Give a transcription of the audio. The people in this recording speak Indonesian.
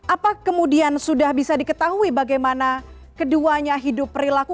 apa kemudian sudah bisa diketahui bagaimana keduanya hidup perilaku